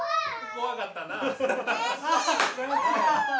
怖かったな。